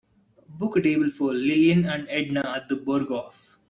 book a table for lillian and edna at The Berghoff